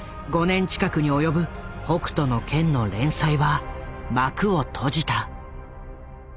５年近くに及ぶ「北斗の拳」の連載は幕を閉じた。